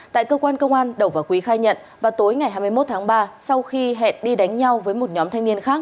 tại cơ quan công an đầu và quý khai nhận vào tối ngày hai mươi một tháng ba sau khi hẹn đi đánh nhau với một nhóm thanh niên khác